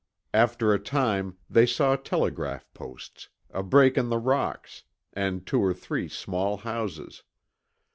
After a time, they saw telegraph posts, a break in the rocks, and two or three small houses.